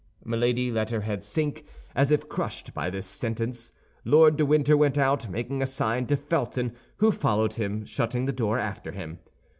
Milady let her head sink, as if crushed by this sentence. Lord de Winter went out, making a sign to Felton, who followed him, shutting the door after him.